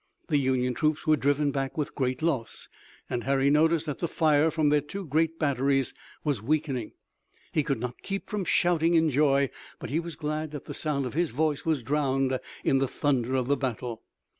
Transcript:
The Union troops were driven back with great loss, and Harry noticed that the fire from their two great batteries was weakening. He could not keep from shouting in joy, but he was glad that the sound of his voice was drowned in the thunder of the battle.